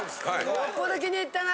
よっぽど気に入ったな？